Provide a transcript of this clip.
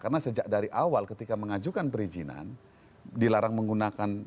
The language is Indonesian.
karena sejak dari awal ketika mengajukan perizinan dilarang menggunakan